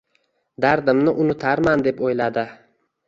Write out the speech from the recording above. Dardimni unutarman deb o'yladi.